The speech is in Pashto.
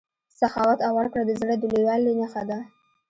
سخاوت او ورکړه د زړه د لویوالي نښه ده.